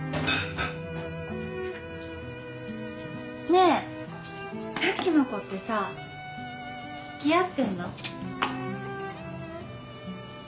ねえさっきの子ってさつきあってんの？